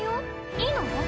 いいの？